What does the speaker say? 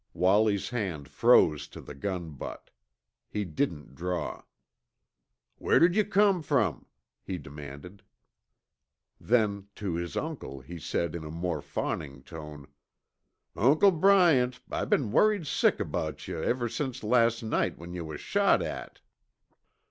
Wallie's hand froze to the gun butt. He didn't draw. "Where did you come from?" he demanded. Then to his uncle he said in a more fawning tone, "Uncle Bryant, I been worried sick about yuh ever since last night when yuh was shot at."